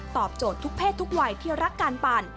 โจทย์ทุกเพศทุกวัยที่รักการปั่น